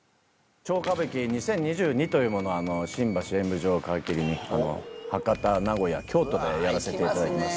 『超歌舞伎２０２２』というものを新橋演舞場を皮切りに博多名古屋京都でやらせていただきます。